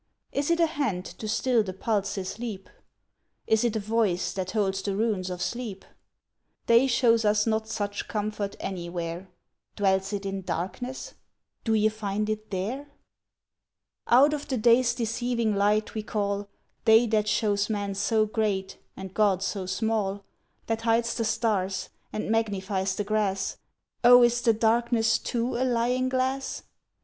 Is it a Hand to still the pulse's leap? Is it a Voice that holds the runes of sleep? Day shows us not such comfort anywhere Dwells it in Darkness? Do ye find it there? Out of the Day's deceiving light we call Day that shows man so great, and God so small, That hides the stars, and magnifies the grass O is the Darkness too a lying glass!